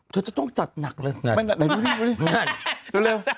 เธอจะต้องจัดหนักเลยดูเร็ว